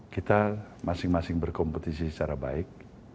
kita masing masing berkompetisi secara baik